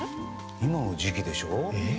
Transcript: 今の時期でしょ。